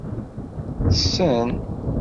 Ttessen.